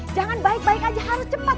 jangan baik baik aja harus cepat